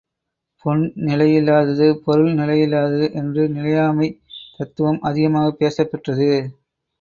பொன் நிலையில்லாதது பொருள் நிலையில்லாதது என்ற நிலையாமை த் தத்துவம் அதிகமாகப் பேசப்பெற்றது.